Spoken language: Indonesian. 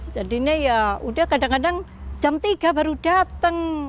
jadi nih ya udah kadang kadang jam tiga baru datang